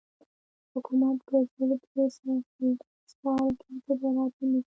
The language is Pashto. حکومت په زر درې سوه څوارلس کال کې تجارت ملي کړ.